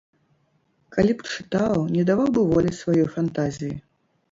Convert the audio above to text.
Калі б чытаў, не даваў бы волі сваёй фантазіі.